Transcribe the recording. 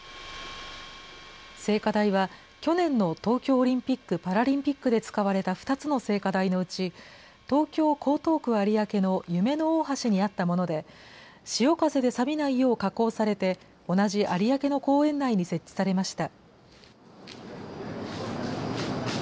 聖火台は、去年の東京オリンピック・パラリンピックで使われた２つの聖火台のうち、東京・江東区有明の夢の大橋にあったもので、潮風でさびないよう加工されて、同じ有明の公園内に設置されました。